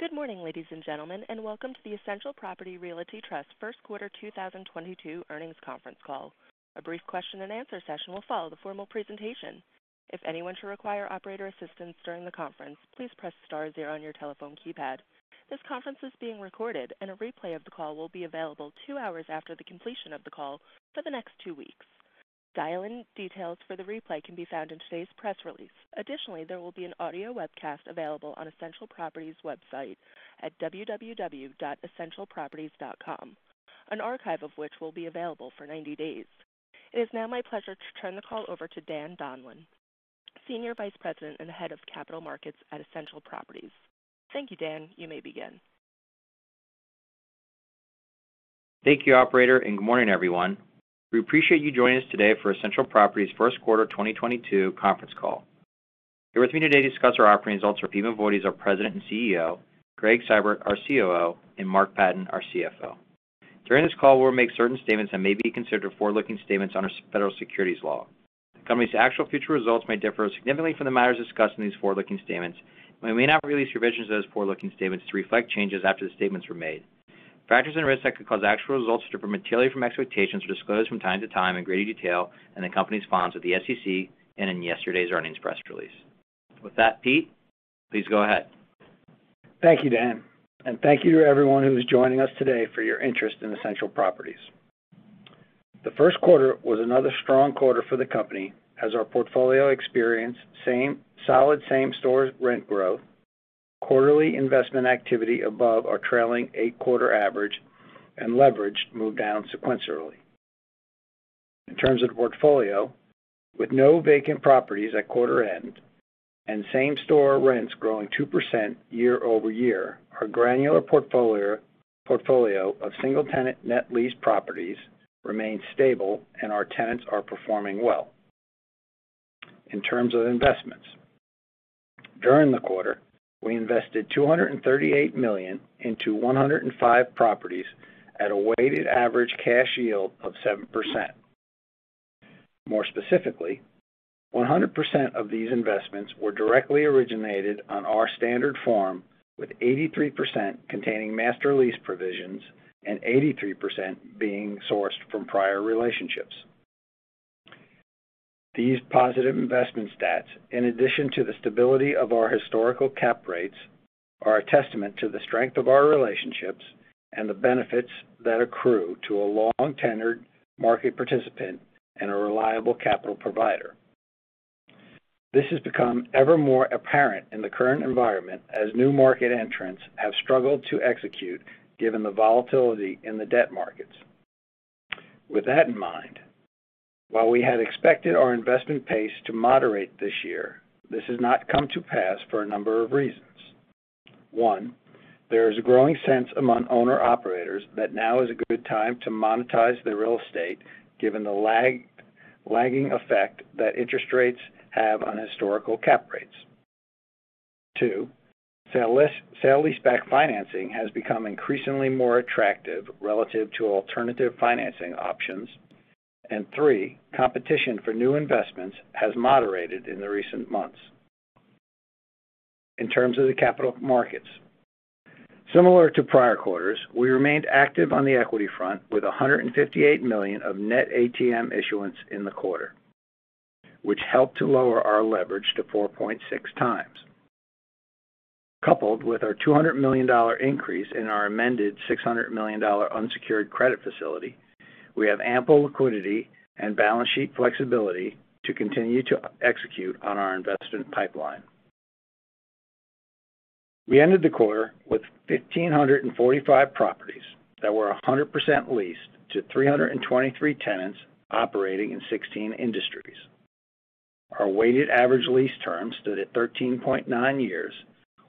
Good morning, ladies and gentlemen, and welcome to the Essential Properties Realty Trust First Quarter 2022 Earnings Conference Call. A brief question and answer session will follow the formal presentation. If anyone should require operator assistance during the conference, please press star zero on your telephone keypad. This conference is being recorded and a replay of the call will be available two hours after the completion of the call for the next two weeks. Dial-in details for the replay can be found in today's press release. Additionally, there will be an audio webcast available on Essential Properties website at www.essentialproperties.com. An archive of which will be available for 90 days. It is now my pleasure to turn the call over to Daniel Donlan, Senior Vice President and Head of Capital Markets at Essential Properties. Thank you, Dan. You may begin. Thank you, operator, and good morning, everyone. We appreciate you joining us today for Essential Properties First Quarter 2022 Conference Call. Here with me today to discuss our operating results are Pete Mavoides, our President and CEO, Gregg Seibert, our COO, and Mark Patten, our CFO. During this call, we'll make certain statements that may be considered forward-looking statements under U.S. federal securities law. The company's actual future results may differ significantly from the matters discussed in these forward-looking statements. We may not release revisions to those forward-looking statements to reflect changes after the statements were made. Factors and risks that could cause actual results to differ materially from expectations are disclosed from time to time in greater detail in the company's files with the SEC and in yesterday's earnings press release. With that, Pete, please go ahead. Thank you, Dan, and thank you to everyone who is joining us today for your interest in Essential Properties. The first quarter was another strong quarter for the company as our portfolio experienced solid same-store rent growth, quarterly investment activity above our trailing eight-quarter average, and leverage moved down sequentially. In terms of the portfolio, with no vacant properties at quarter end and same-store rents growing 2% year-over-year, our granular portfolio of single-tenant net lease properties remains stable and our tenants are performing well. In terms of investments, during the quarter, we invested $238 million into 105 properties at a weighted average cash yield of 7%. More specifically, 100% of these investments were directly originated on our standard form with 83% containing master lease provisions and 83% being sourced from prior relationships. These positive investment stats, in addition to the stability of our historical cap rates, are a testament to the strength of our relationships and the benefits that accrue to a long tenured market participant and a reliable capital provider. This has become ever more apparent in the current environment as new market entrants have struggled to execute given the volatility in the debt markets. With that in mind, while we had expected our investment pace to moderate this year, this has not come to pass for a number of reasons. One, there is a growing sense among owner-operators that now is a good time to monetize their real estate given the lagging effect that interest rates have on historical cap rates. Two, sale-leaseback financing has become increasingly more attractive relative to alternative financing options. Three, competition for new investments has moderated in the recent months. In terms of the capital markets, similar to prior quarters, we remained active on the equity front with $158 million of net ATM issuance in the quarter, which helped to lower our leverage to 4.6x. Coupled with our $200 million increase in our amended $600 million unsecured credit facility, we have ample liquidity and balance sheet flexibility to continue to execute on our investment pipeline. We ended the quarter with 1,545 properties that were 100% leased to 323 tenants operating in 16 industries. Our weighted average lease term stood at 13.9 years,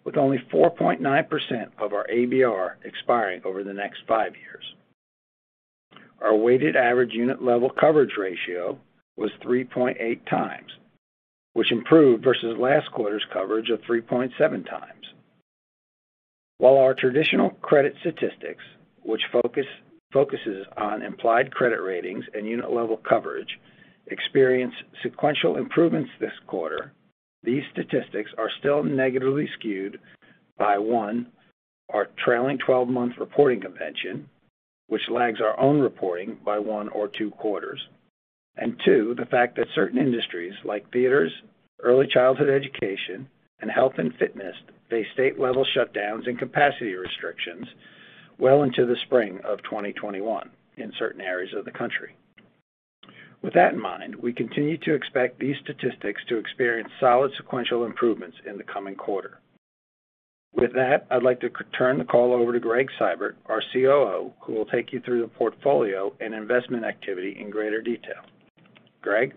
with only 4.9% of our ABR expiring over the next five years. Our weighted average unit level coverage ratio was 3.8x, which improved versus last quarter's coverage of 3.7x. While our traditional credit statistics, which focuses on implied credit ratings and unit level coverage, experienced sequential improvements this quarter, these statistics are still negatively skewed by one, our trailing 12-month reporting convention, which lags our own reporting by one or two quarters. Two, the fact that certain industries like theaters, early childhood education, and health and fitness face state-level shutdowns and capacity restrictions well into the spring of 2021 in certain areas of the country. With that in mind, we continue to expect these statistics to experience solid sequential improvements in the coming quarter. With that, I'd like to turn the call over to Gregg Seibert, our COO, who will take you through the portfolio and investment activity in greater detail. Gregg?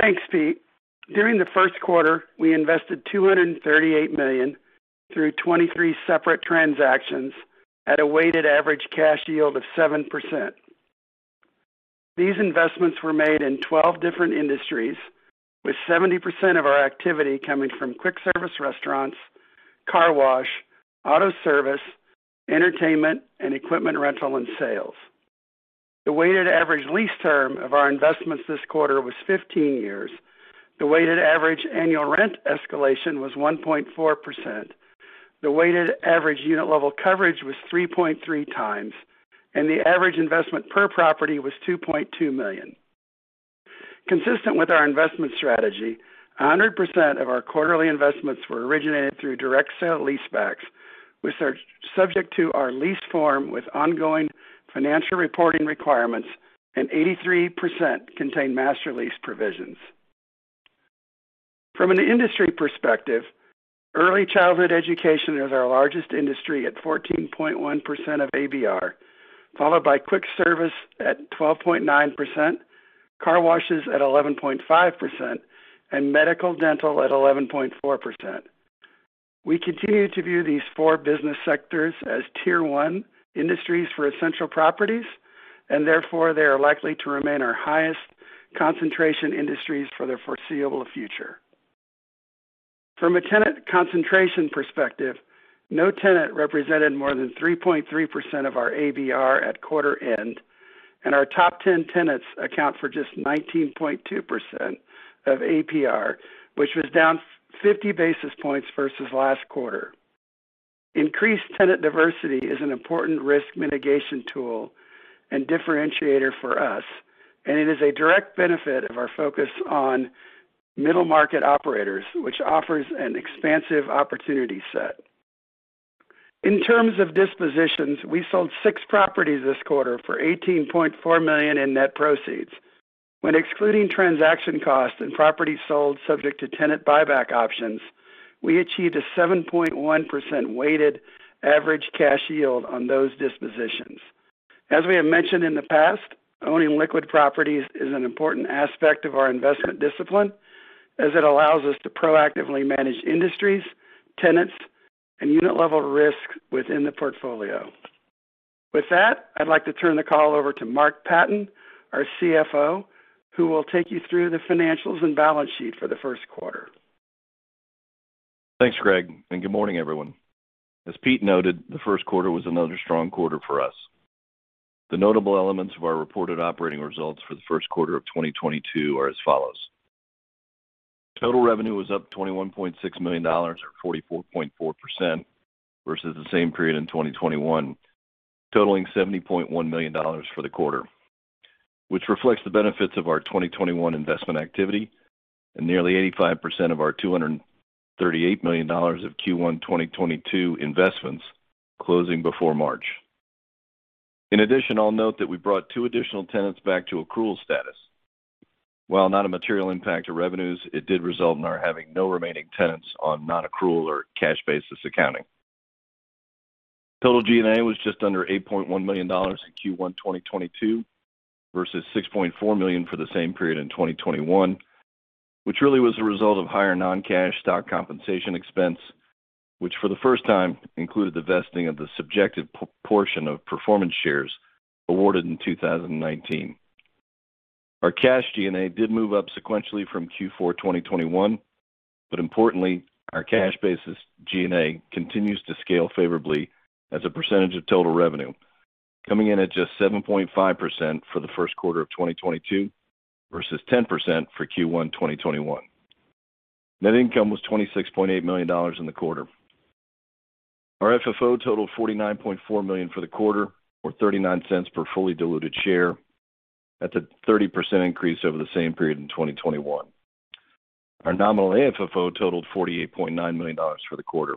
Thanks, Pete. During the first quarter, we invested $238 million through 23 separate transactions at a weighted average cash yield of 7%. These investments were made in 12 different industries, with 70% of our activity coming from quick service restaurants, car wash, auto service, entertainment, and equipment rental and sales. The weighted average lease term of our investments this quarter was 15 years. The weighted average annual rent escalation was 1.4%. The weighted average unit level coverage was 3.3x, and the average investment per property was $2.2 million. Consistent with our investment strategy, 100% of our quarterly investments were originated through direct sale-leasebacks, which are subject to our lease form with ongoing financial reporting requirements, and 83% contain master lease provisions. From an industry perspective, early childhood education is our largest industry at 14.1% of ABR, followed by quick service at 12.9%, car washes at 11.5%, and medical dental at 11.4%. We continue to view these four business sectors as tier one industries for Essential Properties, and therefore they are likely to remain our highest concentration industries for the foreseeable future. From a tenant concentration perspective, no tenant represented more than 3.3% of our ABR at quarter end, and our top 10 tenants account for just 19.2% of ABR, which was down 50 basis points versus last quarter. Increased tenant diversity is an important risk mitigation tool and differentiator for us, and it is a direct benefit of our focus on middle market operators, which offers an expansive opportunity set. In terms of dispositions, we sold six properties this quarter for $18.4 million in net proceeds. When excluding transaction costs and properties sold subject to tenant buyback options, we achieved a 7.1% weighted average cash yield on those dispositions. As we have mentioned in the past, owning liquid properties is an important aspect of our investment discipline as it allows us to proactively manage industries, tenants, and unit level risk within the portfolio. With that, I'd like to turn the call over to Mark Patten, our CFO, who will take you through the financials and balance sheet for the first quarter. Thanks, Gregg, and good morning everyone. As Pete noted, the first quarter was another strong quarter for us. The notable elements of our reported operating results for the first quarter of 2022 are as follows. Total revenue was up $21.6 million or 44.4% versus the same period in 2021, totaling $70.1 million for the quarter, which reflects the benefits of our 2021 investment activity and nearly 85% of our $238 million of Q1 2022 investments closing before March. In addition, I'll note that we brought two additional tenants back to accrual status. While not a material impact to revenues, it did result in our having no remaining tenants on non-accrual or cash basis accounting. Total G&A was just under $8.1 million in Q1 2022 versus $6.4 million for the same period in 2021, which really was a result of higher non-cash stock compensation expense, which for the first time included the vesting of the subjective portion of performance shares awarded in 2019. Our cash G&A did move up sequentially from Q4 2021, but importantly, our cash basis G&A continues to scale favorably as a percentage of total revenue, coming in at just 7.5% for the first quarter of 2022 versus 10% for Q1 2021. Net income was $26.8 million in the quarter. Our FFO totaled $49.4 million for the quarter or $0.39 per fully diluted share. That's a 30% increase over the same period in 2021. Our nominal AFFO totaled $48.9 million for the quarter,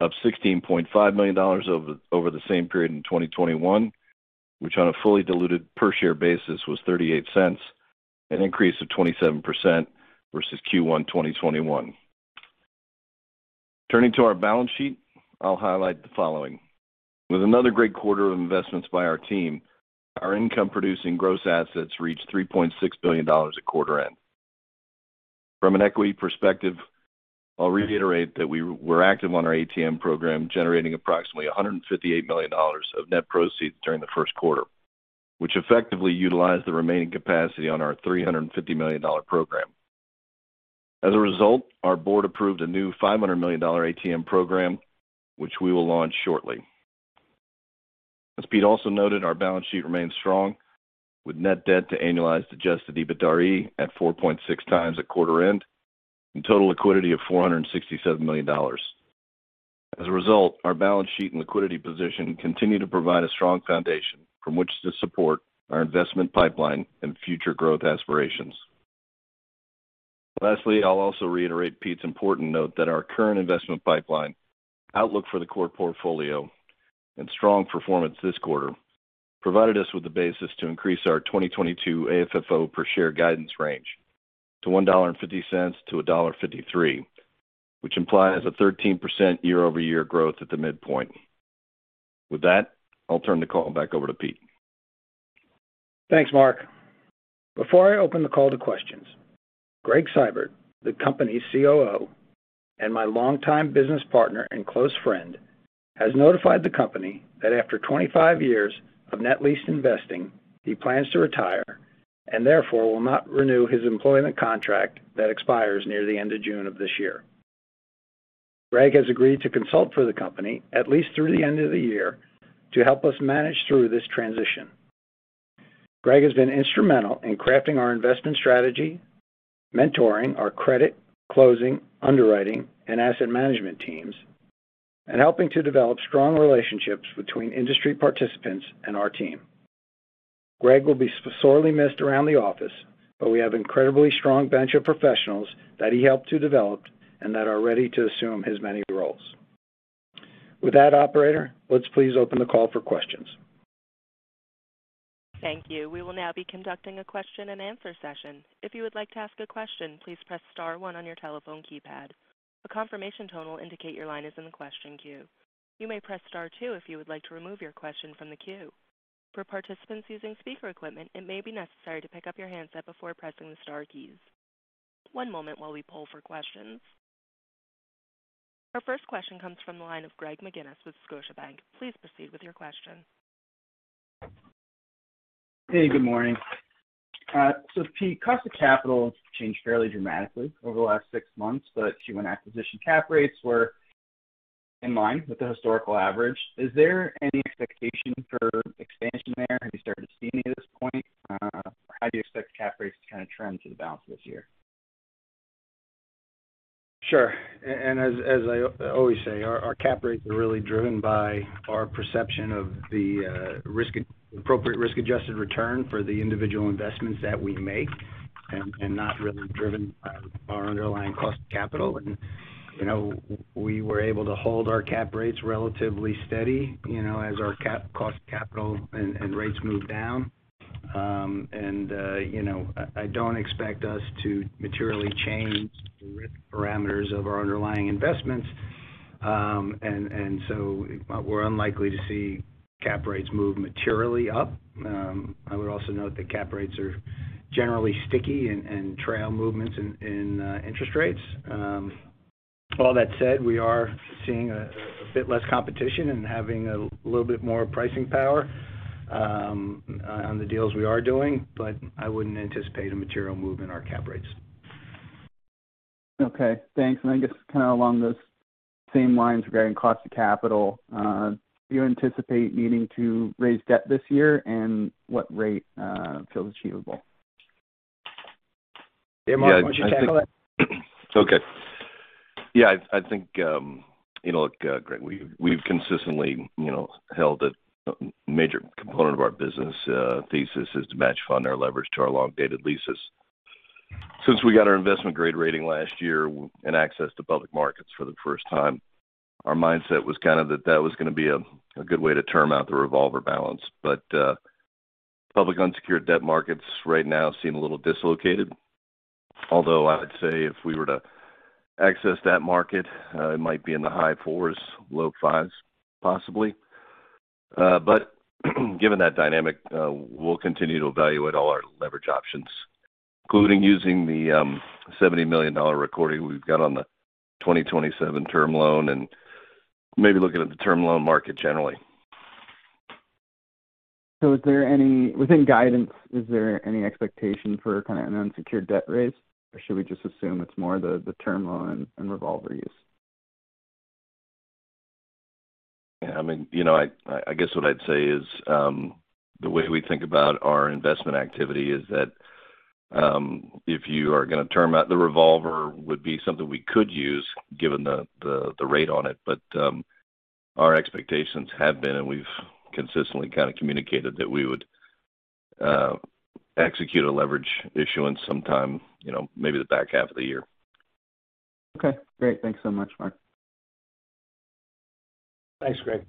up $16.5 million over the same period in 2021, which on a fully diluted per share basis was $0.38, an increase of 27% versus Q1 2021. Turning to our balance sheet, I'll highlight the following. With another great quarter of investments by our team, our income producing gross assets reached $3.6 billion at quarter end. From an equity perspective, I'll reiterate that we're active on our ATM program, generating approximately $158 million of net proceeds during the first quarter, which effectively utilized the remaining capacity on our $350 million program. As a result, our board approved a new $500 million ATM program, which we will launch shortly. As Pete also noted, our balance sheet remains strong with net debt to annualized adjusted EBITDA at 4.6x at quarter end and total liquidity of $467 million. As a result, our balance sheet and liquidity position continue to provide a strong foundation from which to support our investment pipeline and future growth aspirations. Lastly, I'll also reiterate Pete's important note that our current investment pipeline outlook for the core portfolio and strong performance this quarter provided us with the basis to increase our 2022 AFFO per share guidance range to $1.50-$1.53, which implies a 13% year-over-year growth at the midpoint. With that, I'll turn the call back over to Pete. Thanks, Mark. Before I open the call to questions, Gregg Seibert, the company's COO, and my longtime business partner and close friend, has notified the company that after 25 years of net lease investing, he plans to retire and therefore will not renew his employment contract that expires near the end of June of this year. Gregg has agreed to consult for the company at least through the end of the year to help us manage through this transition. Gregg has been instrumental in crafting our investment strategy, mentoring our credit, closing, underwriting, and asset management teams, and helping to develop strong relationships between industry participants and our team. Gregg will be sorely missed around the office, but we have incredibly strong bench of professionals that he helped to develop and that are ready to assume his many roles. With that, operator, let's please open the call for questions. Thank you. We will now be conducting a question-and-answer session. If you would like to ask a question, please press star one on your telephone keypad. A confirmation tone will indicate your line is in the question queue. You may press star two if you would like to remove your question from the queue. For participants using speaker equipment, it may be necessary to pick up your handset before pressing the star keys. One moment while we poll for questions. Our first question comes from the line of Greg McGinniss with Scotiabank. Please proceed with your question. Hey, good morning. Pete, cost of capital changed fairly dramatically over the last six months, but Q1 acquisition cap rates were in line with the historical average. Is there any expectation for expansion there? Have you started seeing any at this point? How do you expect cap rates to kind of trend through the balance of this year? Sure. And as I always say, our cap rates are really driven by our perception of the appropriate risk-adjusted return for the individual investments that we make and not really driven by our underlying cost of capital. You know, we were able to hold our cap rates relatively steady, you know, as our cost of capital and rates moved down. You know, I don't expect us to materially change the risk parameters of our underlying investments. We're unlikely to see cap rates move materially up. I would also note that cap rates are generally sticky and trail movements in interest rates. All that said, we are seeing a bit less competition and having a little bit more pricing power on the deals we are doing. I wouldn't anticipate a material move in our cap rates. Okay, thanks. I guess kind of along those same lines regarding cost of capital, do you anticipate needing to raise debt this year, and what rate feels achievable? Yeah, I think. Mark, why don't you tackle it? I think, you know, look, Greg, we've consistently, you know, held a major component of our business thesis is to match fund our leverage to our long-dated leases. Since we got our investment grade rating last year and access to public markets for the first time, our mindset was kind of that that was gonna be a good way to term out the revolver balance. Public unsecured debt markets right now seem a little dislocated. Although I would say if we were to access that market, it might be in the high 4s, low 5s, possibly. Given that dynamic, we'll continue to evaluate all our leverage options, including using the $70 million accordion we've got on the 2027 term loan and maybe looking at the term loan market generally. Is there any within guidance, is there any expectation for kind of an unsecured debt raise, or should we just assume it's more the term loan and revolver use? Yeah, I mean, you know, I guess what I'd say is, the way we think about our investment activity is that, if you are gonna term out the revolver would be something we could use given the rate on it. Our expectations have been, and we've consistently kind of communicated, that we would execute a leverage issuance sometime, you know, maybe the back half of the year. Okay, great. Thanks so much, Mark. Thanks, Greg.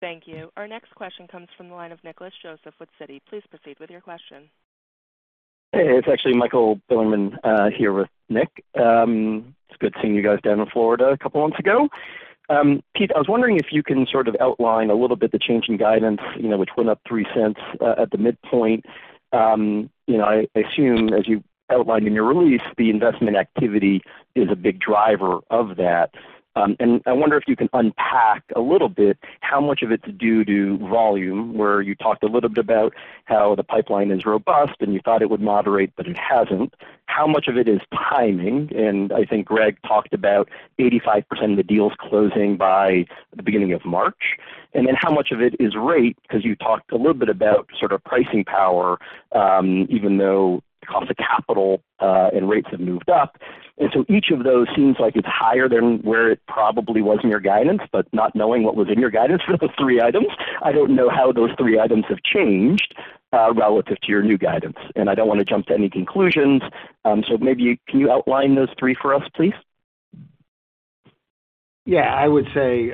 Thank you. Our next question comes from the line of Nicholas Joseph with Citi. Please proceed with your question. Hey, it's actually Michael Bilerman here with Nick. It's good seeing you guys down in Florida a couple months ago. Pete, I was wondering if you can sort of outline a little bit the change in guidance, you know, which went up $0.03 at the midpoint. You know, I assume, as you outlined in your release, the investment activity is a big driver of that. I wonder if you can unpack a little bit how much of it's due to volume, where you talked a little bit about how the pipeline is robust and you thought it would moderate, but it hasn't. How much of it is timing? I think Gregg talked about 85% of the deals closing by the beginning of March. Then how much of it is rate? Because you talked a little bit about sort of pricing power, even though cost of capital, and rates have moved up. Each of those seems like it's higher than where it probably was in your guidance, but not knowing what was in your guidance for the three items, I don't know how those three items have changed, relative to your new guidance. I don't wanna jump to any conclusions. Maybe can you outline those three for us, please? Yeah. I would say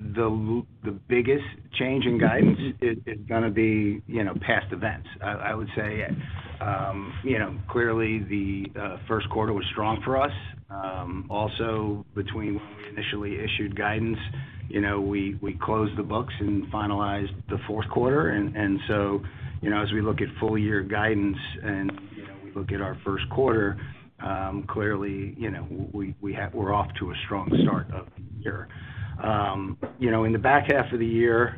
the biggest change in guidance is gonna be, you know, past events. I would say, you know, clearly the first quarter was strong for us. Also between when we initially issued guidance, you know, we closed the books and finalized the fourth quarter. You know, as we look at full year guidance and, you know, we look at our first quarter, clearly, you know, we're off to a strong start of the year. You know, in the back half of the year,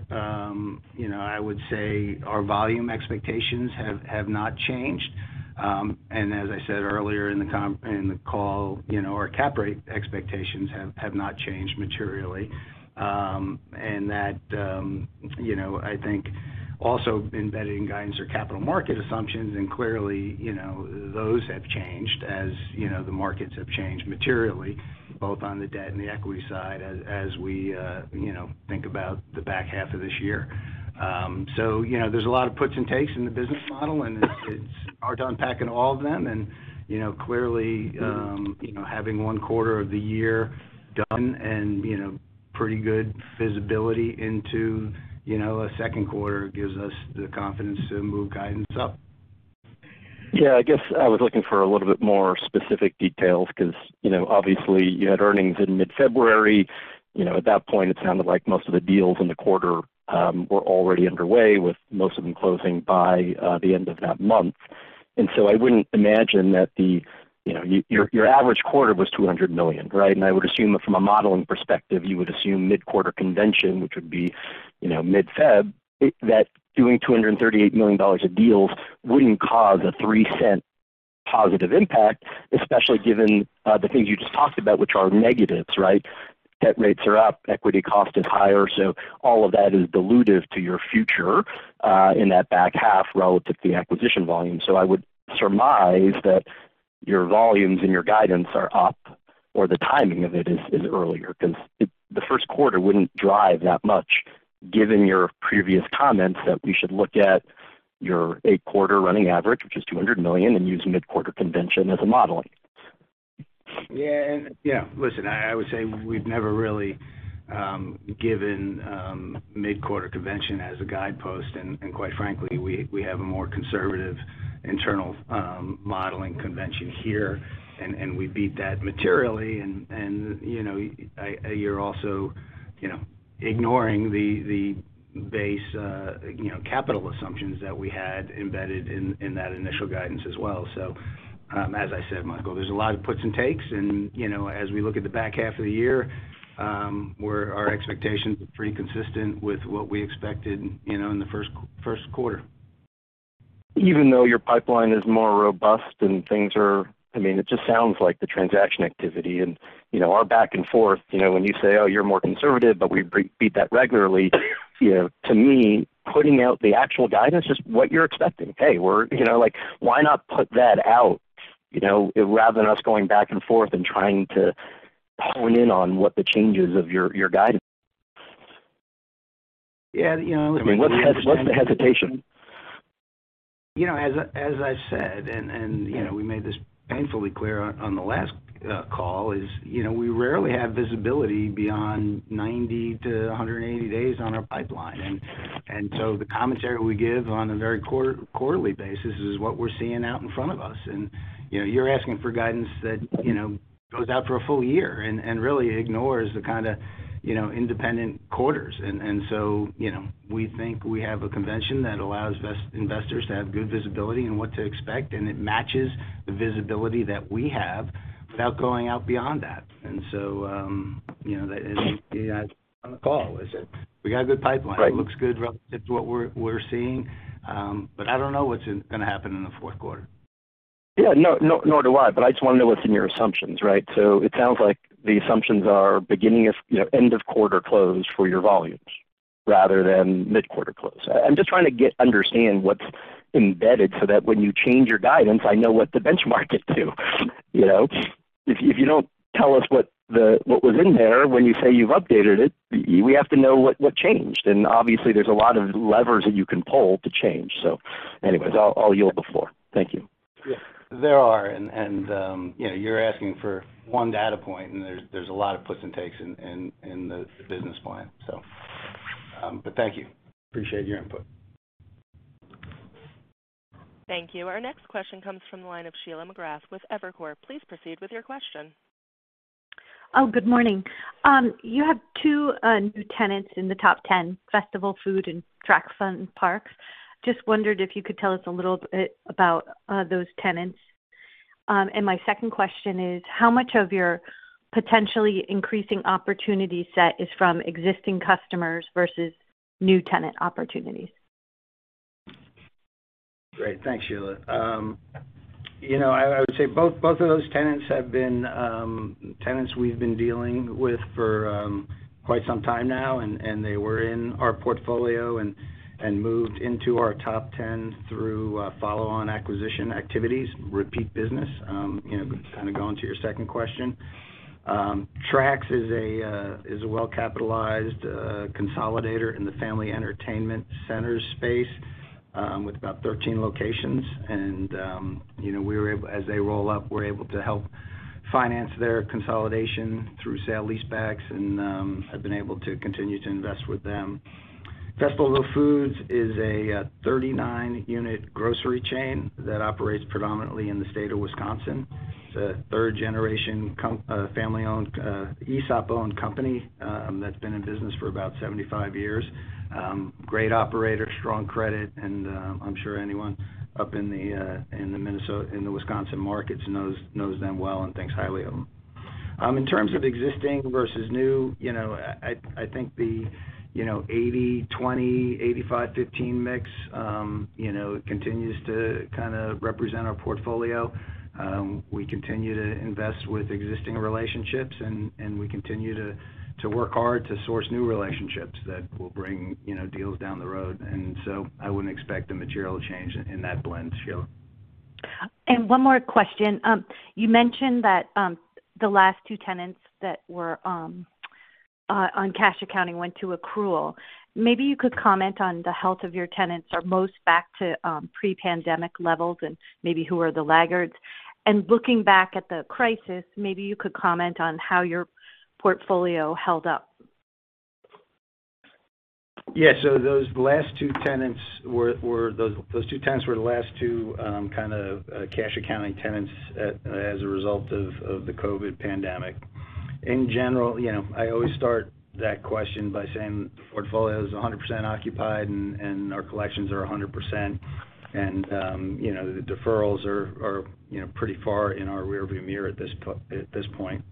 you know, I would say our volume expectations have not changed. As I said earlier in the call, you know, our cap rate expectations have not changed materially. That, you know, I think also embedded in guidance or capital market assumptions, and clearly, you know, those have changed as, you know, the markets have changed materially, both on the debt and the equity side as we, you know, think about the back half of this year. You know, there's a lot of puts and takes in the business model, and it's hard to unpack in all of them. You know, clearly, you know, having one quarter of the year done and, you know, pretty good visibility into, you know, a second quarter gives us the confidence to move guidance up. Yeah. I guess I was looking for a little bit more specific details because, you know, obviously you had earnings in mid-February. You know, at that point it sounded like most of the deals in the quarter were already underway, with most of them closing by the end of that month. I wouldn't imagine that the, you know, your average quarter was $200 million, right? I would assume that from a modeling perspective, you would assume mid-quarter convention, which would be, you know, mid-Feb, that doing $238 million of deals wouldn't cause a $0.03 positive impact, especially given the things you just talked about, which are negatives, right? Debt rates are up, equity cost is higher, so all of that is dilutive to your future in that back half relative to the acquisition volume. I would surmise that your volumes and your guidance are up or the timing of it is earlier because the first quarter wouldn't drive that much given your previous comments that we should look at your eight-quarter running average, which is $200 million, and use mid-quarter convention as a modeling. Yeah. You know, listen, I would say we've never really given mid-quarter convention as a guidepost and quite frankly, we have a more conservative internal modeling convention here, and we beat that materially. You know, you're also ignoring the base capital assumptions that we had embedded in that initial guidance as well. As I said, Michael, there's a lot of puts and takes and you know, as we look at the back half of the year, our expectations are pretty consistent with what we expected, you know, in the first quarter. Even though your pipeline is more robust and things are I mean, it just sounds like the transaction activity and, you know, our back and forth, you know, when you say, "Oh, you're more conservative, but we beat that regularly." You know, to me, putting out the actual guidance is what you're expecting. Hey, we're, you know, like, why not put that out, you know, rather than us going back and forth and trying to hone in on what the changes of your guidance? Yeah. You know, I mean. I mean, what's the hesitation? You know, as I said, we made this painfully clear on the last call. We rarely have visibility beyond 90 to 180 days on our pipeline. The commentary we give on a quarterly basis is what we're seeing out in front of us. You know, you're asking for guidance that goes out for a full year and really ignores the kind of independent quarters. You know, we think we have a convention that allows investors to have good visibility in what to expect, and it matches the visibility that we have without going out beyond that. You know, as I said on the call, we got a good pipeline. Right. It looks good relative to what we're seeing. I don't know what's gonna happen in the fourth quarter. Yeah. No, nor do I, but I just wanna know what's in your assumptions, right? So it sounds like the assumptions are beginning of, you know, end of quarter close for your volumes rather than mid-quarter close. I'm just trying to understand what's embedded so that when you change your guidance, I know what to benchmark it to, you know? If you don't tell us what was in there when you say you've updated it, we have to know what changed. Obviously there's a lot of levers that you can pull to change. Anyways, I'll yield the floor. Thank you. Yeah. There are. You know, you're asking for one data point, and there's a lot of puts and takes in the business plan. Thank you. Appreciate your input. Thank you. Our next question comes from the line of Sheila McGrath with Evercore. Please proceed with your question. Oh, good morning. You have two new tenants in the top ten, Festival Foods and The Track Family Fun Parks. Just wondered if you could tell us a little bit about those tenants. My second question is, how much of your potentially increasing opportunity set is from existing customers versus new tenant opportunities? Great. Thanks, Sheila. You know, I would say both of those tenants have been tenants we've been dealing with for quite some time now, and they were in our portfolio and moved into our top ten through follow-on acquisition activities, repeat business. You know, kind of going to your second question. The Track is a well-capitalized consolidator in the family entertainment centers space with about 13 locations. You know, as they roll up, we're able to help finance their consolidation through sale-leasebacks and have been able to continue to invest with them. Festival Foods is a 39-unit grocery chain that operates predominantly in the state of Wisconsin. It's a third generation family-owned ESOP-owned company that's been in business for about 75 years. Great operator, strong credit, and I'm sure anyone up in the Wisconsin markets knows them well and thinks highly of them. In terms of existing versus new, you know, I think the 80/20, 85/15 mix continues to kind of represent our portfolio. We continue to invest with existing relationships and we continue to work hard to source new relationships that will bring you know deals down the road. I wouldn't expect a material change in that blend, Sheila. One more question. You mentioned that the last two tenants that were on cash accounting went to accrual. Maybe you could comment on the health of your tenants. Are most back to pre-pandemic levels, and maybe who are the laggards? Looking back at the crisis, maybe you could comment on how your portfolio held up. Yeah. Those last two tenants were. Those two tenants were the last two kind of cash accounting tenants as a result of the COVID pandemic. In general, you know, I always start that question by saying the portfolio is 100% occupied and our collections are 100%. You know, the deferrals are, you know, pretty far in our rearview mirror at this point.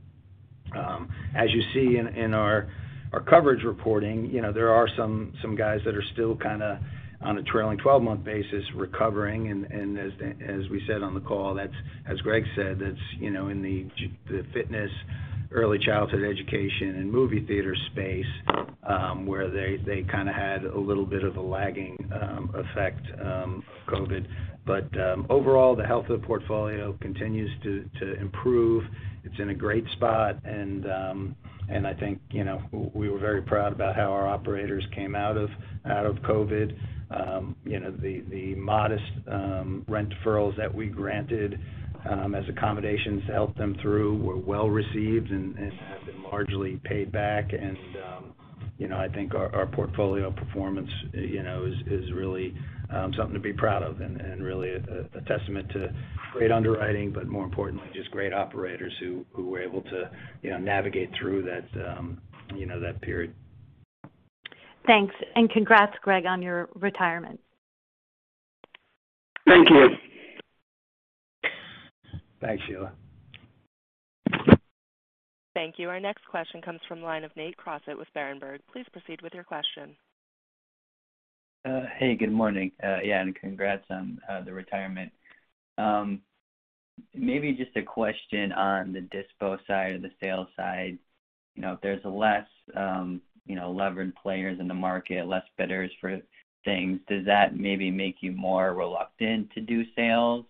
As you see in our coverage reporting, you know, there are some guys that are still kind of on a trailing twelve-month basis recovering, and as we said on the call, that's, as Gregg said, you know, in the fitness, early childhood education, and movie theater space, where they kind of had a little bit of a lagging effect from COVID. Overall, the health of the portfolio continues to improve. It's in a great spot and I think, you know, we were very proud about how our operators came out of COVID. You know, the modest rent deferrals that we granted as accommodations to help them through were well-received and have been largely paid back. You know, I think our portfolio performance, you know, is really something to be proud of and really a testament to great underwriting, but more importantly, just great operators who were able to, you know, navigate through that, you know, that period. Thanks. Congrats, Gregg, on your retirement. Thank you. Thanks, Sheila. Thank you. Our next question comes from the line of Nate Crossett with Berenberg. Please proceed with your question. Hey, good morning. Yeah, congrats on the retirement. Maybe just a question on the dispo side or the sales side. You know, if there's less, you know, levered players in the market, less bidders for things, does that maybe make you more reluctant to do sales?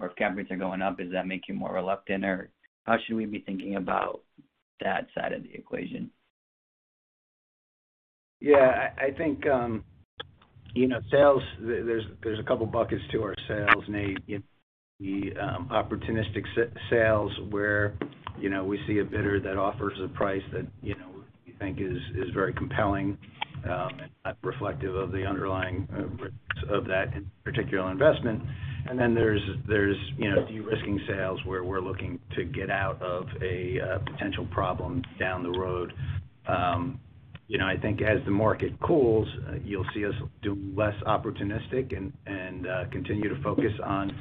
If cap rates are going up, does that make you more reluctant? How should we be thinking about that side of the equation? Yeah, I think you know, sales, there's a couple buckets to our sales, Nate. You know, the opportunistic sales where you know, we see a bidder that offers a price that you know, we think is very compelling and not reflective of the underlying risks of that particular investment. Then there's you know, de-risking sales where we're looking to get out of a potential problem down the road. You know, I think as the market cools, you'll see us do less opportunistic and continue to focus on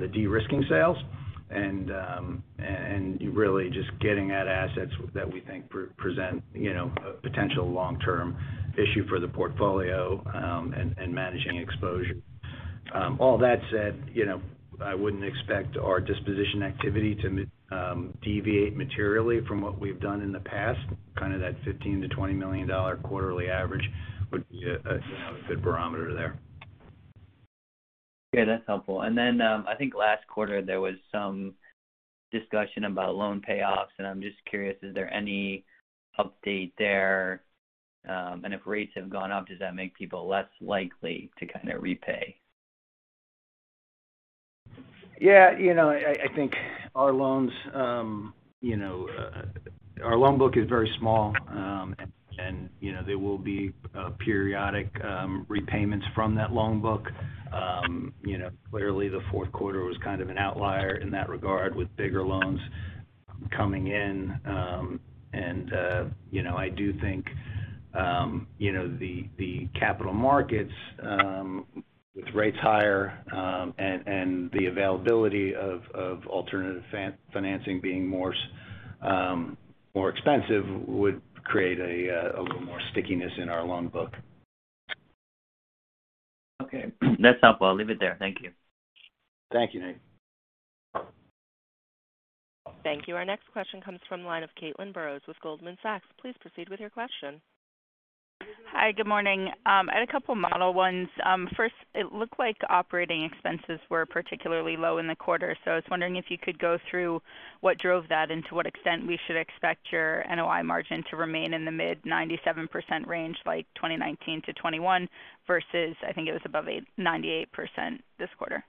the de-risking sales, and really just getting at assets that we think present you know, a potential long-term issue for the portfolio, and managing exposure. All that said, you know, I wouldn't expect our disposition activity to deviate materially from what we've done in the past. Kind of that $15 million-$20 million quarterly average would be, you know, a good barometer there. Yeah, that's helpful. I think last quarter, there was some discussion about loan payoffs, and I'm just curious, is there any update there? If rates have gone up, does that make people less likely to kind of repay? Yeah. You know, I think our loans, you know. Our loan book is very small. You know, there will be periodic repayments from that loan book. You know, clearly the fourth quarter was kind of an outlier in that regard with bigger loans coming in. You know, I do think, you know, the capital markets with rates higher, and the availability of alternative financing being more expensive would create a little more stickiness in our loan book. Okay. That's helpful. I'll leave it there. Thank you. Thank you, Nate. Thank you. Our next question comes from the line of Caitlin Burrows with Goldman Sachs. Please proceed with your question. Hi. Good morning. I had a couple of model ones. First, it looked like operating expenses were particularly low in the quarter. I was wondering if you could go through what drove that and to what extent we should expect your NOI margin to remain in the mid-97% range by 2019 to 2021 versus, I think it was above 98% this quarter.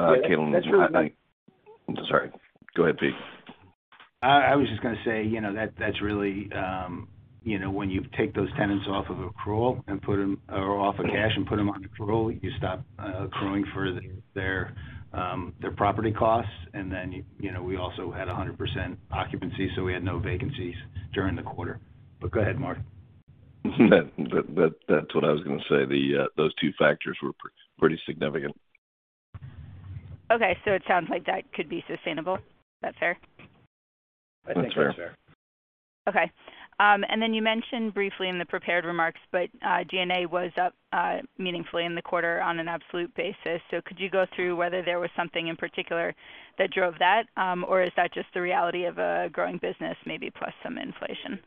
Caitlin. Yeah, that's really. I'm sorry. Go ahead, Pete. I was just gonna say, you know, that's really, you know, when you take those tenants off of cash and put them on accrual, you stop accruing for their property costs. Then, you know, we also had 100% occupancy, so we had no vacancies during the quarter. Go ahead, Mark. That's what I was gonna say. Those two factors were pretty significant. Okay. It sounds like that could be sustainable. That fair? That's fair. I think that's fair. Okay. You mentioned briefly in the prepared remarks, but G&A was up meaningfully in the quarter on an absolute basis. Could you go through whether there was something in particular that drove that, or is that just the reality of a growing business maybe plus some inflation?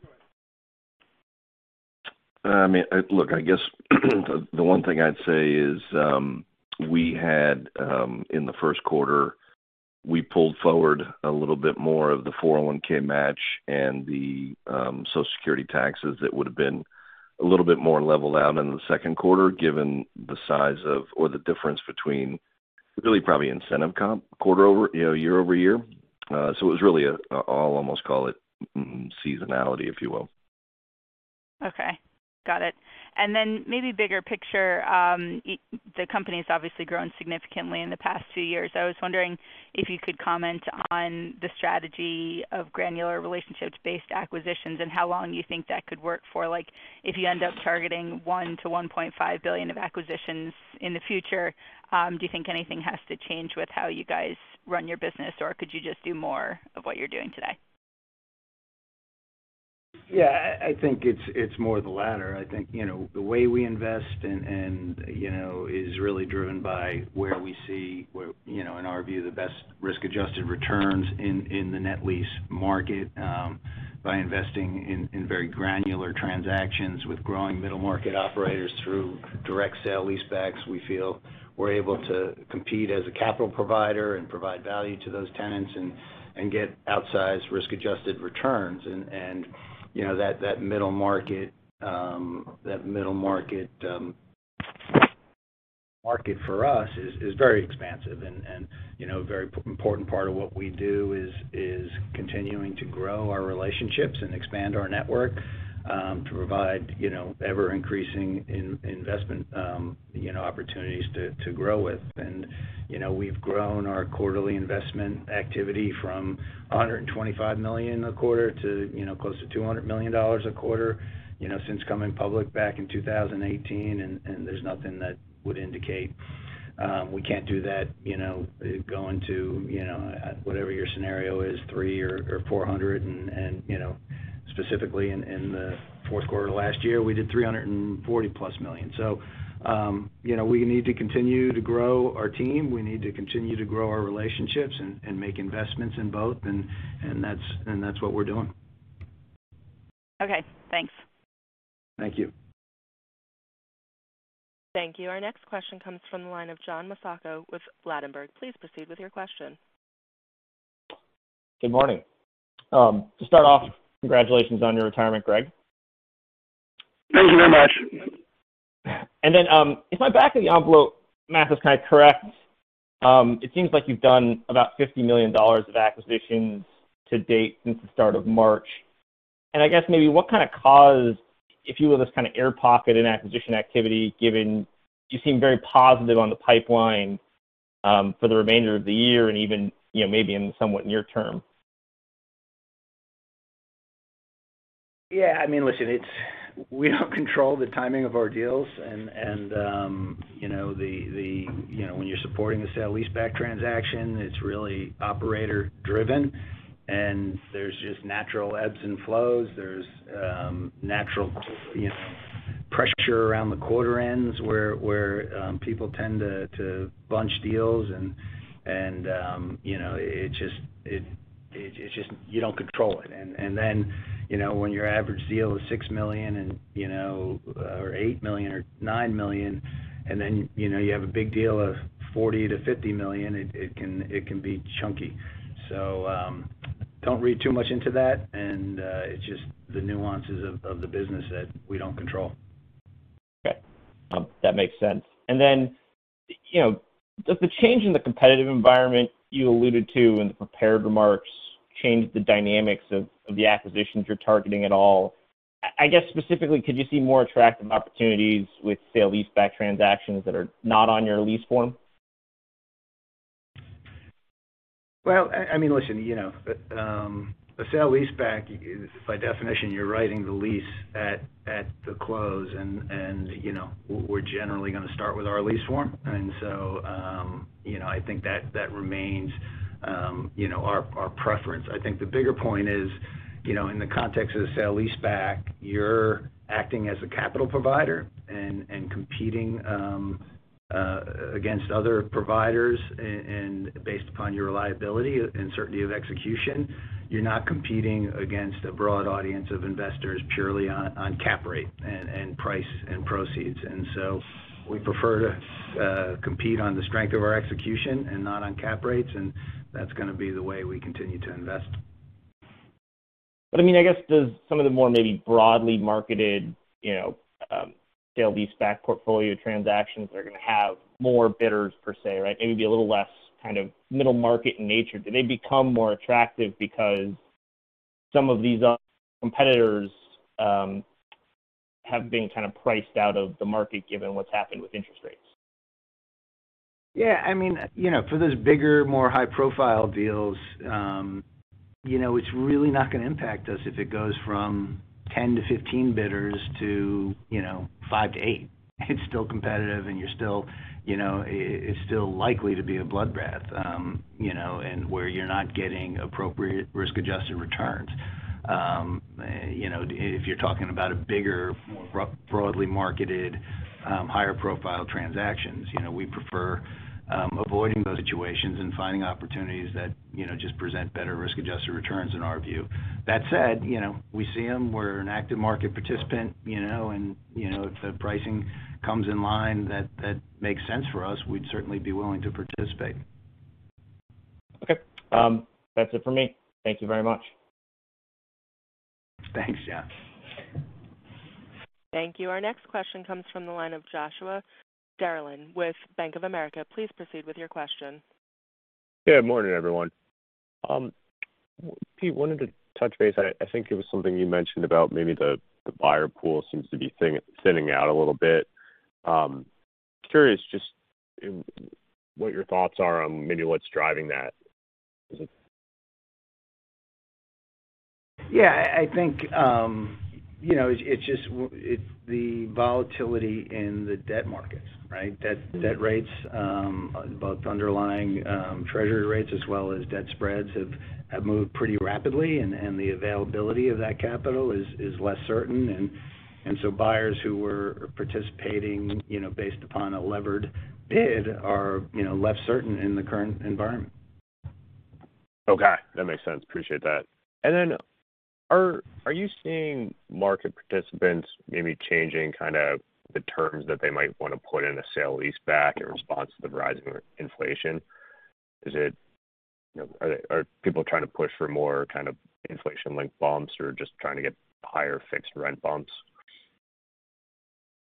I mean, look, I guess the one thing I'd say is, we had in the first quarter, we pulled forward a little bit more of the 401K match and the Social Security taxes that would've been a little bit more leveled out in the second quarter, given the size of or the difference between really probably incentive comp quarter over, you know, year-over-year. So it was really, I'll almost call it seasonality, if you will. Okay. Got it. Then maybe bigger picture, the company's obviously grown significantly in the past two years. I was wondering if you could comment on the strategy of granular relationships based acquisitions, and how long you think that could work for, like, if you end up targeting $1 billion-$1.5 billion of acquisitions in the future, do you think anything has to change with how you guys run your business, or could you just do more of what you're doing today? Yeah. I think it's more the latter. I think, you know, the way we invest and you know is really driven by where we see you know in our view the best risk-adjusted returns in the net lease market by investing in very granular transactions with growing middle market operators through direct sale-leasebacks. We feel we're able to compete as a capital provider and provide value to those tenants and get outsized risk-adjusted returns. You know, that middle market for us is very expansive and you know a very important part of what we do is continuing to grow our relationships and expand our network to provide you know ever increasing investment you know opportunities to grow with. You know, we've grown our quarterly investment activity from $125 million a quarter to, you know, close to $200 million a quarter, you know, since coming public back in 2018, and there's nothing that would indicate we can't do that, you know, going to, you know, whatever your scenario is, $300 million or $400 million. You know, specifically in the fourth quarter last year, we did $340+ million. You know, we need to continue to grow our team. We need to continue to grow our relationships and make investments in both, and that's what we're doing. Okay, thanks. Thank you. Thank you. Our next question comes from the line of John Kilichowski with Wells Fargo Securities. Please proceed with your question. Good morning. To start off, congratulations on your retirement, Gregg. Thank you very much. Then, if my back of the envelope math is kind of correct, it seems like you've done about $50 million of acquisitions to date since the start of March. I guess maybe what kind of caused, if you will, this kind of air pocket in acquisition activity, given you seem very positive on the pipeline, for the remainder of the year and even, you know, maybe in the somewhat near term? Yeah, I mean, listen, it's, we don't control the timing of our deals and, you know, when you're supporting the sale-leaseback transaction, it's really operator driven, and there's just natural ebbs and flows. There's natural, you know, pressure around the quarter ends where people tend to bunch deals and, you know, it just, it's just you don't control it. Then, you know, when your average deal is $6 million and, you know, or $8 million or $9 million, and then, you know, you have a big deal of $40 million-$50 million, it can be chunky. So, don't read too much into that. It's just the nuances of the business that we don't control. Okay. That makes sense. You know, does the change in the competitive environment you alluded to in the prepared remarks change the dynamics of the acquisitions you're targeting at all? I guess specifically, could you see more attractive opportunities with sale-leaseback transactions that are not on your lease form? Well, I mean, listen, you know, a sale-leaseback is by definition, you're writing the lease at the close and you know, we're generally gonna start with our lease form. I think that remains, you know, our preference. I think the bigger point is, you know, in the context of the sale-leaseback, you're acting as a capital provider and competing against other providers and based upon your reliability and certainty of execution. You're not competing against a broad audience of investors purely on cap rate and price and proceeds. We prefer to compete on the strength of our execution and not on cap rates, and that's gonna be the way we continue to invest. I mean, I guess, does some of the more maybe broadly marketed, you know, sale-leaseback portfolio transactions are gonna have more bidders per se, right? Maybe be a little less kind of middle market in nature. Do they become more attractive because some of these competitors have been kind of priced out of the market given what's happened with interest rates? Yeah, I mean, you know, for those bigger, more high-profile deals, you know, it's really not gonna impact us if it goes from 10 to 15 bidders to five to eight. It's still competitive and you're still, you know, it's still likely to be a bloodbath, you know, and where you're not getting appropriate risk-adjusted returns. You know, if you're talking about a bigger, more broadly marketed, higher profile transactions, you know, we prefer avoiding those situations and finding opportunities that, you know, just present better risk-adjusted returns in our view. That said, you know, we see them, we're an active market participant, you know, and, you know, if the pricing comes in line that makes sense for us, we'd certainly be willing to participate. Okay. That's it for me. Thank you very much. Thanks, John. Thank you. Our next question comes from the line of Joshua Dennerlein with Bank of America. Please proceed with your question. Good morning, everyone. Pete, wanted to touch base. I think it was something you mentioned about maybe the buyer pool seems to be thinning out a little bit. Curious just what your thoughts are on maybe what's driving that. Yeah. I think, you know, it's just the volatility in the debt markets, right? Debt rates, both underlying treasury rates as well as debt spreads have moved pretty rapidly and the availability of that capital is less certain. Buyers who were participating, you know, based upon a levered bid are, you know, less certain in the current environment. Okay, that makes sense. Appreciate that. Are you seeing market participants maybe changing kind of the terms that they might want to put in a sale-leaseback in response to the rise in inflation? Are people trying to push for more kind of inflation-linked bumps or just trying to get higher fixed rent bumps?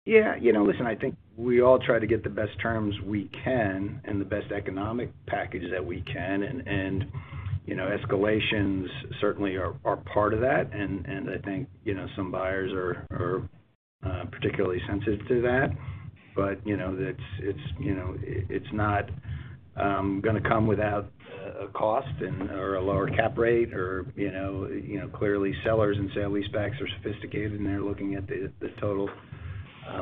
Yeah. You know, listen, I think we all try to get the best terms we can and the best economic package that we can. You know, escalations certainly are part of that. I think, you know, some buyers are particularly sensitive to that. You know, it's not gonna come without a cost or a lower cap rate. You know, clearly sellers and sale-leasebacks are sophisticated, and they're looking at the total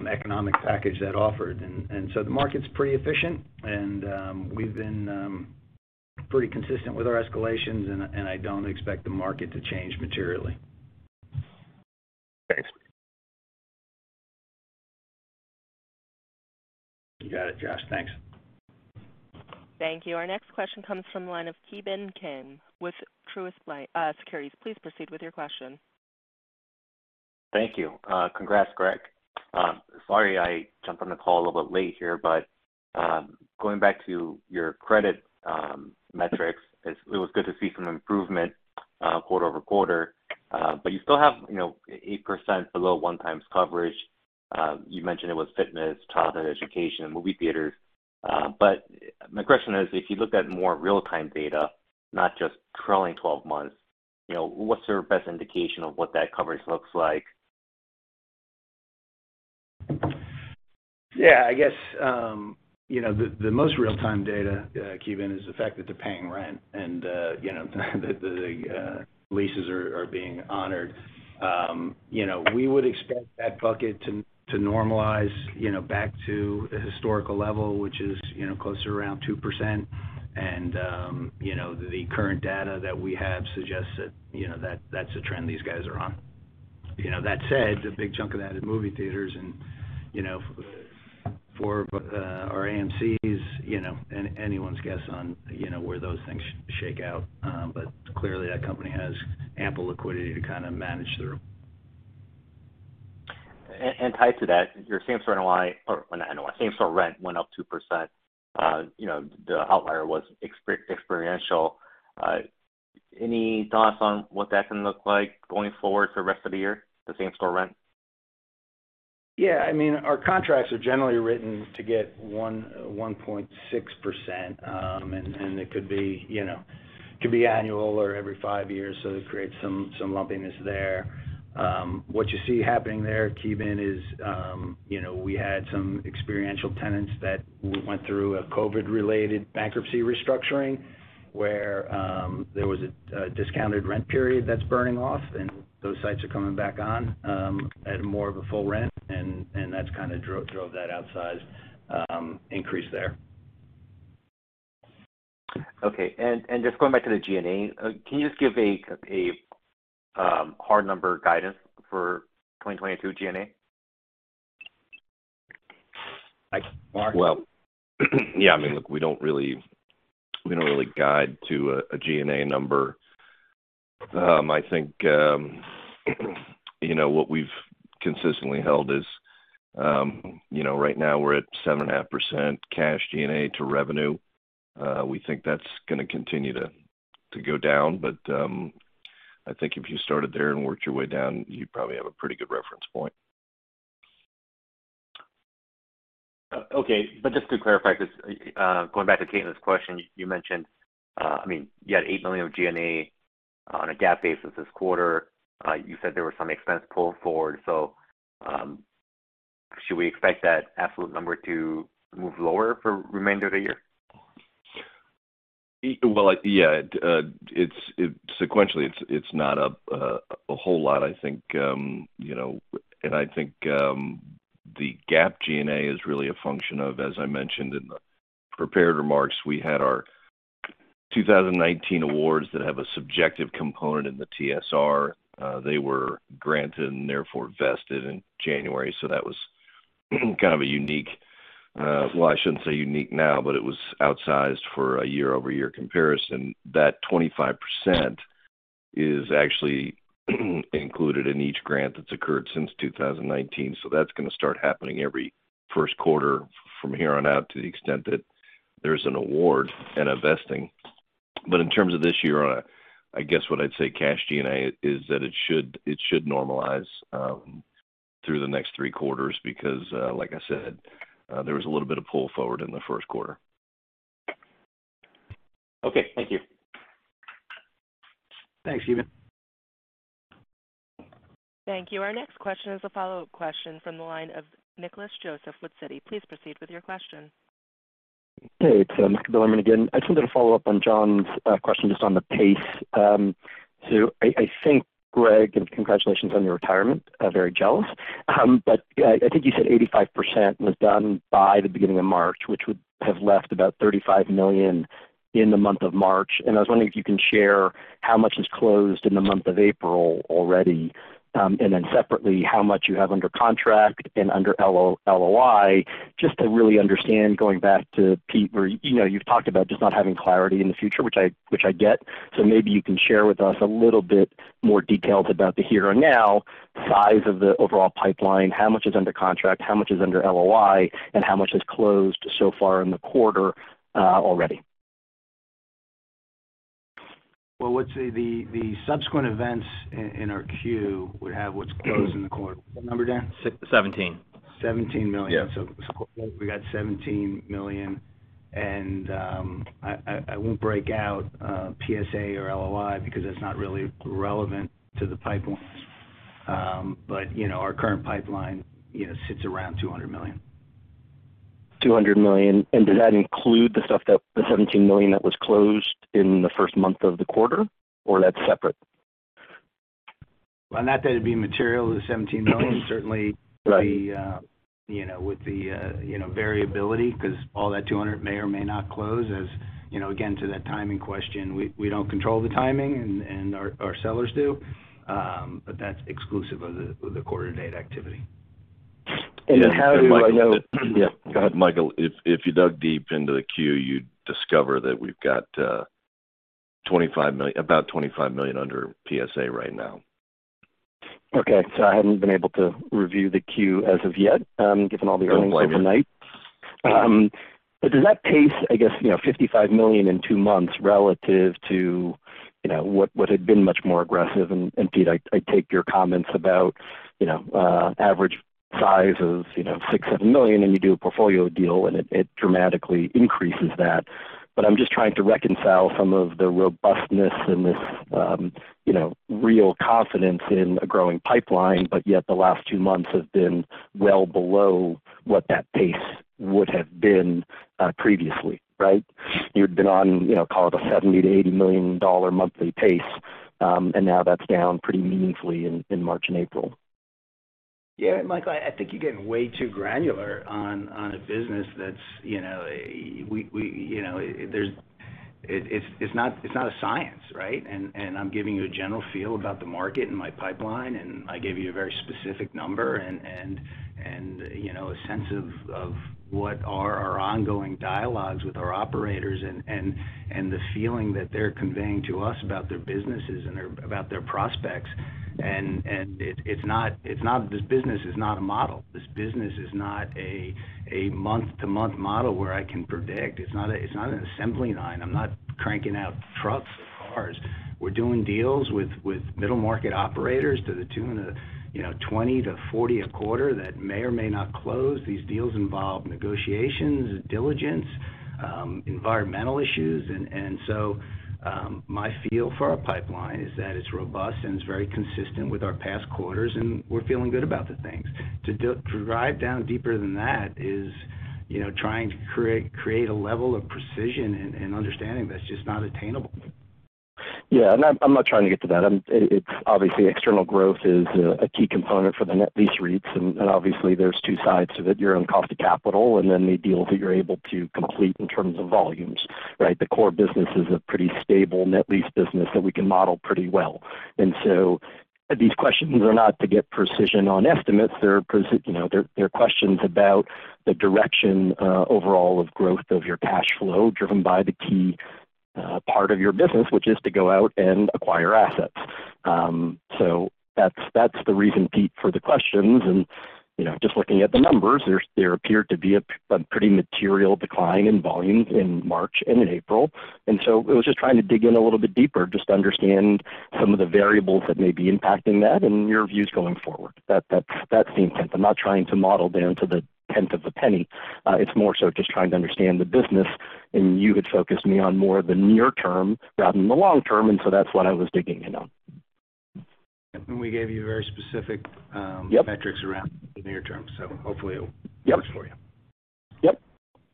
economic package that's offered. So the market's pretty efficient, and we've been pretty consistent with our escalations, and I don't expect the market to change materially. Thanks. You got it, Josh. Thanks. Thank you. Our next question comes from the line of Ki Bin Kim with Truist Securities. Please proceed with your question. Thank you. Congrats, Gregg. Sorry, I jumped on the call a little bit late here, but going back to your credit metrics, it was good to see some improvement quarter-over-quarter. You still have, you know, 8% below 1x coverage. You mentioned it was fitness, childhood education, movie theaters. My question is, if you looked at more real-time data, not just trailing twelve months, you know, what's your best indication of what that coverage looks like? Yeah, I guess, you know, the most real-time data, Ki Bin Kim, is the fact that they're paying rent and, you know, the leases are being honored. You know, we would expect that bucket to normalize, you know, back to a historical level, which is, you know, closer to around 2%. You know, the current data that we have suggests that, you know, that's the trend these guys are on. You know, that said, the big chunk of that is movie theaters. You know, for our AMCs, you know, anyone's guess on, you know, where those things shake out. But clearly that company has ample liquidity to kind of manage through. Tied to that, your same-store NOI, or not NOI, same-store rent went up 2%. You know, the outlier was experiential. Any thoughts on what that's gonna look like going forward for the rest of the year, the same store rent? Yeah, I mean, our contracts are generally written to get 1.6%, and it could be, you know, could be annual or every five years, so it creates some lumpiness there. What you see happening there, Keebin, is, you know, we had some experiential tenants that went through a COVID-related bankruptcy restructuring where there was a discounted rent period that's burning off, and those sites are coming back on at more of a full rent, and that's kind of drove that outsized increase there. Okay. Just going back to the G&A, can you just give a hard number guidance for 2022 G&A? Mark? Well, yeah, I mean, look, we don't really guide to a G&A number. I think, you know, what we've consistently held is, you know, right now we're at 7.5% cash G&A to revenue. We think that's gonna continue to go down. I think if you started there and worked your way down, you'd probably have a pretty good reference point. Okay. Just to clarify, 'cause, going back to Caitlin's question, you mentioned, I mean, you had $8 million of G&A On a GAAP basis this quarter, you said there was some expense pull forward. Should we expect that absolute number to move lower for remainder of the year? Well, yeah, sequentially, it's not a whole lot, I think. You know, I think the GAAP, G&A is really a function of, as I mentioned in the prepared remarks, we had our 2019 awards that have a subjective component in the TSR. They were granted and therefore vested in January. That was kind of a unique, well, I shouldn't say unique now, but it was outsized for a year-over-year comparison. That 25% is actually included in each grant that's occurred since 2019. That's gonna start happening every first quarter from here on out to the extent that there's an award and a vesting. In terms of this year, I guess what I'd say cash G&A is that it should normalize through the next three quarters because like I said there was a little bit of pull forward in the first quarter. Okay, thank you. Thanks, Ki Bin Kim. Thank you. Our next question is a follow-up question from the line of Nicholas Joseph with Citi. Please proceed with your question. Hey, it's Michael Bilerman again. I just wanted to follow up on John's question just on the pace. So I think, Gregg Seibert, and congratulations on your retirement, I'm very jealous. But I think you said 85% was done by the beginning of March, which would have left about $35 million in the month of March. I was wondering if you can share how much is closed in the month of April already. And then separately, how much you have under contract and under LOI, just to really understand, going back to Pete Mavoides, where you know, you've talked about just not having clarity in the future, which I get. Maybe you can share with us a little bit more details about the here and now size of the overall pipeline, how much is under contract, how much is under LOI, and how much is closed so far in the quarter, already? Well, let's see. The subsequent events in our Q, we have what's closed in the quarter. What number, Dan? $17 million. $17 million. Yeah. We got $17 million. I won't break out PSA or LOI because that's not really relevant to the pipelines. You know, our current pipeline, you know, sits around $200 million. $200 million. Does that include the $17 million that was closed in the first month of the quarter, or that's separate? Well, not that it'd be material to the $17 million. Right. Certainly the you know with the you know variability 'cause all that $200 may or may not close as you know again to that timing question. We don't control the timing and our sellers do. But that's exclusive of the quarter date activity. How do I know? Yeah, go ahead. Michael, if you dug deep into the queue, you'd discover that we've got about $25 million under PSA right now. Okay. I haven't been able to review the queue as of yet, given all the earnings overnight. Does that pace, I guess, you know, $55 million in two months relative to, you know, what had been much more aggressive? Pete, I take your comments about, you know, average size of, you know, $6 million-$7 million, and you do a portfolio deal, and it dramatically increases that. I'm just trying to reconcile some of the robustness and this, you know, real confidence in a growing pipeline, but yet the last two months have been well below what that pace would have been, previously, right? You'd been on, you know, call it a $70 million-$80 million monthly pace, and now that's down pretty meaningfully in March and April. Yeah, Michael, I think you're getting way too granular on a business that's, you know, It's not a science, right? I'm giving you a general feel about the market and my pipeline, and I gave you a very specific number and, you know, a sense of what are our ongoing dialogues with our operators and the feeling that they're conveying to us about their businesses and their prospects. It's not this business is not a model. This business is not a month-to-month model where I can predict. It's not an assembly line. I'm not cranking out trucks or cars. We're doing deals with middle-market operators to the tune of, you know, 20-40 a quarter that may or may not close. These deals involve negotiations and diligence, environmental issues. My feel for our pipeline is that it's robust, and it's very consistent with our past quarters, and we're feeling good about the things. To drill down deeper than that is, you know, trying to create a level of precision and understanding that's just not attainable. Yeah. I'm not trying to get to that. It's obviously external growth is a key component for the net lease REITs. And obviously, there's two sides to it, your own cost of capital and then the deals that you're able to complete in terms of volumes, right? The core business is a pretty stable net lease business that we can model pretty well. These questions are not to get precision on estimates. They're you know, they're questions about the direction overall of growth of your cash flow driven by the key part of your business, which is to go out and acquire assets. That's the reason, Pete, for the questions. You know, just looking at the numbers, there appeared to be a pretty material decline in volumes in March and in April. It was just trying to dig in a little bit deeper just to understand some of the variables that may be impacting that and your views going forward. That's the intent. I'm not trying to model down to the tenth of a penny. It's more so just trying to understand the business, and you had focused me on more of the near term rather than the long term, and that's what I was digging in on. We gave you very specific. Yep. Metrics around the near term, so hopefully it. Yep. Works for you. Yep.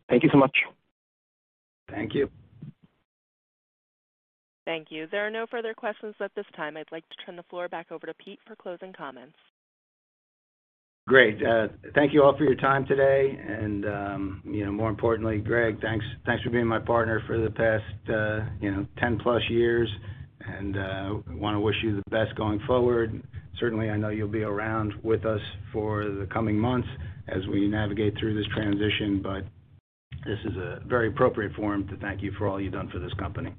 Thank you so much. Thank you. Thank you. There are no further questions at this time. I'd like to turn the floor back over to Pete for closing comments. Great. Thank you all for your time today and, you know, more importantly, Gregg, thanks for being my partner for the past, you know, 10+ years. Wanna wish you the best going forward. Certainly, I know you'll be around with us for the coming months as we navigate through this transition, but this is a very appropriate forum to thank you for all you've done for this company.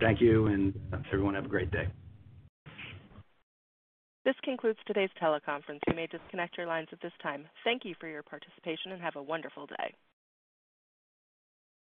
Thank you, and everyone have a great day. This concludes today's teleconference. You may disconnect your lines at this time. Thank you for your participation, and have a wonderful day.